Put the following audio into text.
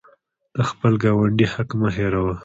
د خپل ګاونډي حق مه هیروه.